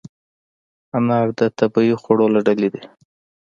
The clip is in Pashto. انار د طبیعي خوړو له ډلې دی.